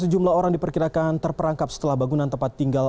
sejumlah orang diperkirakan terperangkap setelah bangunan tempat tinggal